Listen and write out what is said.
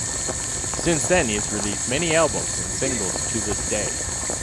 Since then he has released many albums and singles to this day.